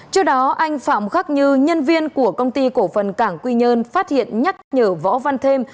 trước đó anh phạm khắc như nhân viên của công ty cổ phần cảng quy nhơn phát hiện nhắc nhở võ văn thêm